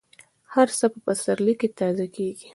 هر څه په پسرلي کې تازه کېږي.